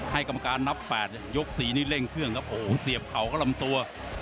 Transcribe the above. กรรมการนับ๘ยก๔นี่เร่งเครื่องครับโอ้โหเสียบเข่าเข้าลำตัว